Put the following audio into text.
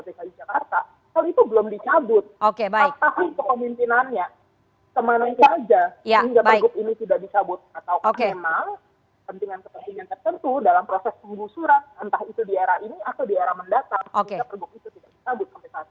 entah itu di era ini atau di era mendatang sehingga pergub itu tidak dicabut kompetasi